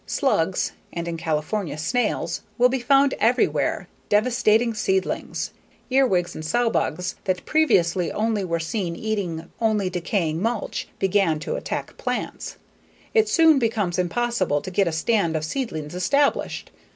Slugs (and in California, snails) will be found everywhere, devastating seedlings. Earwigs and sow bugs, that previously only were seen eating only decaying mulch, begin to attack plants. It soon becomes impossible to get a stand of seedlings established.